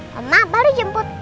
mama baru jemput